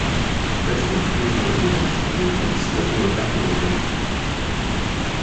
Residents near the river downstream from the slip were evacuated.